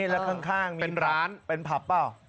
แล้วข้างเป็นผับเปล่า